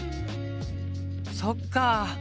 そっかあ。